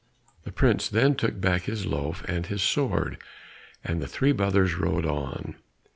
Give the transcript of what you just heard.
The prince then took back his loaf and his sword, and the three brothers rode on.